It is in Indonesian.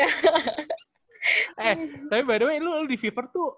eh tapi btw lu di viver tuh